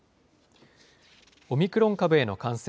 オミクロン株への感染。